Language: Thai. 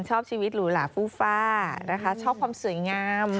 ชอบชีวิตหรูหลาฟูฟ่านะคะชอบความสวยงาม